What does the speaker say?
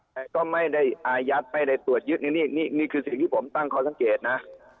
แต่ก็ไม่ได้อายัดไม่ได้ตรวจยึดนี่คือสิ่งที่ผมตั้งข้อสังเกตนะ